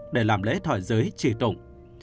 để làm lễ thỏa giới trị tụng